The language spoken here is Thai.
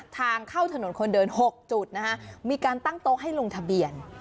ทางเข้าถนนคนเดิน๖จุดนะคะมีการตั้งโต๊ะให้ลงทะเบียน